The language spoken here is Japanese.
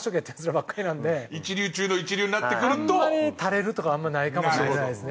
あんまり垂れるとかはあんまりないかもしれないですね。